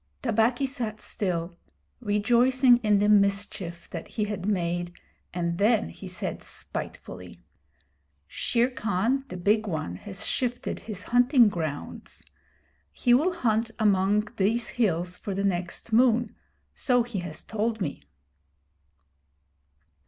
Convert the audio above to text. Tabaqui sat still, rejoicing in the mischief that he had made, and then he said spitefully: 'Shere Khan, the Big One, has shifted his hunting grounds. He will hunt among these hills for the next moon, so he has told me.'